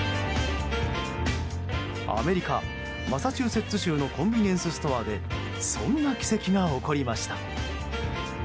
アメリカ・マサチューセッツ州のコンビニエンスストアでそんな奇跡が起こりました。